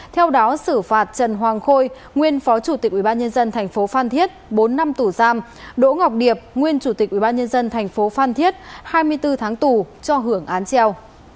theo đó xử phạt trần hoàng khôi nguyên phó chủ tịch ubnd tp phan thiết bốn năm tù giam đỗ ngọc điệp nguyên chủ tịch ubnd tp phan thiết hai mươi bốn tháng tù cho hưởng án treo